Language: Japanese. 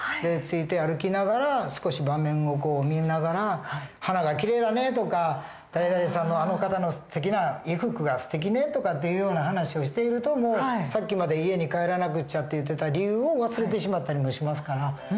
ついて歩きながら少し場面を見ながら花がきれいだねとか誰々さんのあの方の衣服がすてきねとかっていうような話をしているともうさっきまで家に帰らなくちゃって言ってた理由を忘れてしまったりもしますから。